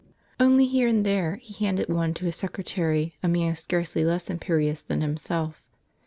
Only here and there, he handed one to his secretary, a man scarcely less imperious than himself.